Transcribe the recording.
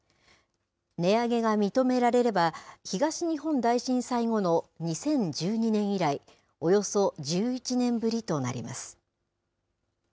値上げが認められれば、東日本大震災後の２０１２年以来、およそ１１年ぶりとなります。